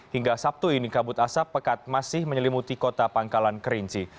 hingga sabtu ini kabut asap pekat masih menyelimuti kota pangkalan kerinci